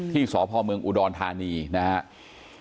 ที่ศพมอุดรธานีนะครับ